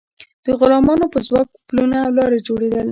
د غلامانو په ځواک پلونه او لارې جوړیدل.